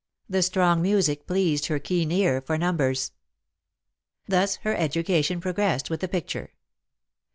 The strong music pleased her keen ear for numbers. Thus her education progressed with the picture. Mr.